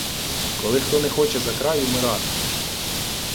Коли хто не хоче за край умирати